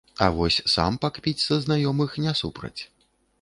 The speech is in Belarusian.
А вось сам пакпіць са знаёмых не супраць.